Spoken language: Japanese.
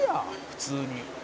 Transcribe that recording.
普通に」